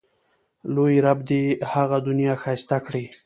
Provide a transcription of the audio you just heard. لوی رب دې یې هغه دنیا ښایسته کړي.